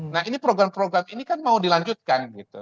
nah ini program program ini kan mau dilanjutkan gitu